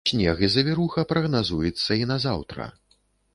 Снег і завіруха прагназуецца і на заўтра.